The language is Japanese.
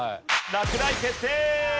落第決定！